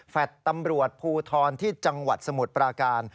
ตำรวจภูทรที่จังหวัดสมุทรปราการ